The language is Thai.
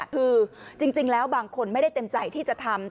คือจริงแล้วบางคนไม่ได้เต็มใจที่จะทำ